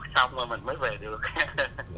xong rồi mình mới về được